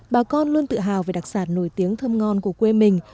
bà con luôn tự hào về đặc sản nổi tiếng thơm ngon của quê mình